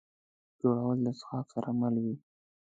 خوړل د څښاک سره مل وي